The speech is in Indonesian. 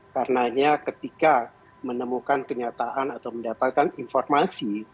karenanya ketika menemukan kenyataan atau mendapatkan informasi